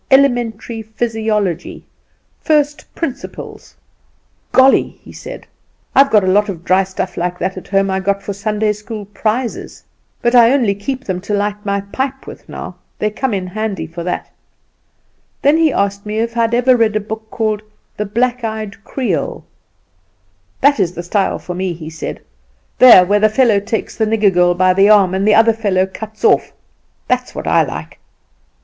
'Elementary Physiology,' 'First Principles.' "'Golly!' he said; 'I've got a lot of dry stuff like that at home I got for Sunday school prizes; but I only keep them to light my pipe with now; they come in handy for that.' Then he asked me if I had ever read a book called the 'Black eyed Creole.' 'That is the style for me,' he said; 'there where the fellow takes the nigger girl by the arm, and the other fellow cuts it off! That's what I like.